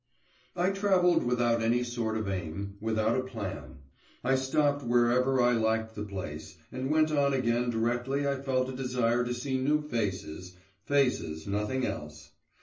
I travelled without any sort of aim, without a plan; I stopped wherever I liked the place, and went on again directly I felt a desire to see new faces faces, nothing else.